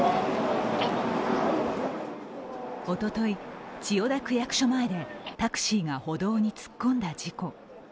おととい、千代田区役所前でタクシーが歩道に突っ込んだ事故。